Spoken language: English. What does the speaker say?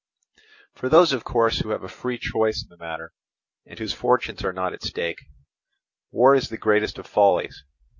"For those of course who have a free choice in the matter and whose fortunes are not at stake, war is the greatest of follies.